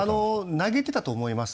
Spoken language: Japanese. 投げてたと思います。